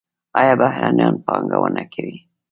آیا بهرنیان پانګونه کوي؟